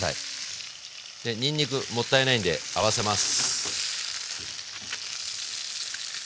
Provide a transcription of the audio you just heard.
にんにくもったいないんで合わせます。